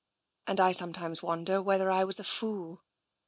And I sometimes wonder whether I was a fool."